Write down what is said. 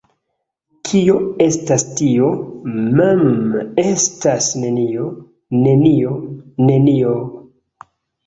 Kio estas tio? Mmm estas nenio, nenio, nenio...